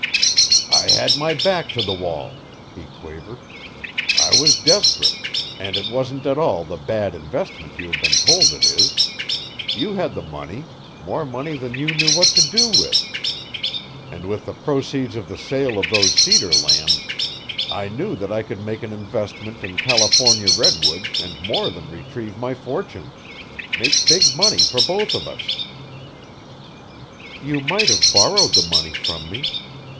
"I had my back to the wall," he quavered. "I was desperate and it wasn't at all the bad investment you have been told it is. You had the money more money than you knew what to do with and with the proceeds of the sale of those cedar lands, I knew I could make an investment in California redwood and more than retrieve my fortunes make big money for both of us." "You might have borrowed the money from me.